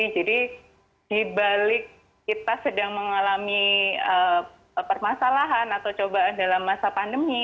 jadi di balik kita sedang mengalami permasalahan atau cobaan dalam masa pandemi